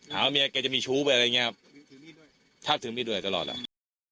หาเมียเขาก็จะมีชูเปล่าอะไรอย่างเงี้ยชาติถึงมีด้วยทำล่อแล้ว